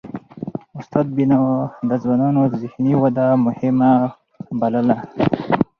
استاد بينوا د ځوانانو ذهني وده مهمه بلله.